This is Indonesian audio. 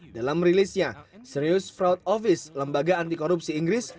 dalam rilisnya serious fraud office lembaga antikorupsi inggris